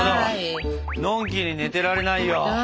かまどのんきに寝てられないよ。